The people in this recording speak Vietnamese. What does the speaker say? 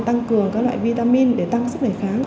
tăng cường các loại vitamin để tăng sức đề kháng